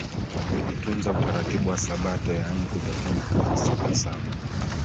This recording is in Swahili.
walitunza utaratibu wa sabato yaani kutotenda kazi siku ya saba